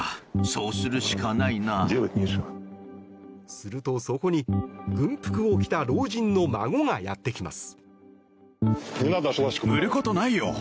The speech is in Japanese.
するとそこに軍服を着た老人の孫がやってきます。